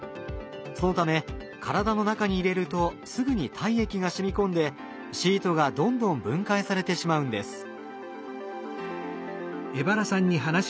そのため体の中に入れるとすぐに体液がしみこんでシートがどんどん分解されてしまうんです。